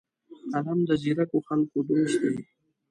قلم د ځیرکو خلکو دوست دی